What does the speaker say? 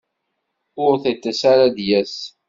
Ur tiṭ-is ara ad d-yas.